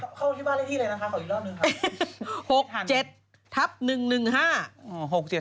เข้าที่บ้านเลขที่เลยนะคะขออีกรอบหนึ่งครับ